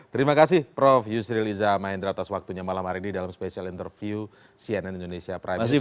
terima kasih prof yusril iza mahendra atas waktunya malam hari ini dalam spesial interview cnn indonesia prime news